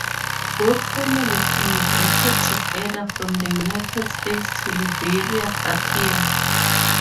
Both families emigrated together from the United States to Liberia that year.